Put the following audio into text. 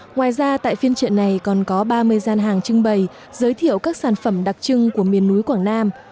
ngoài ra tại phiên trợ này còn có ba mươi gian hàng trưng bày giới thiệu các sản phẩm đặc trưng của miền núi quảng nam